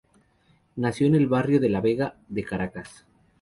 Nació en el Barrio de La Vega de Caracas.